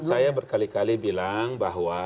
saya berkali kali bilang bahwa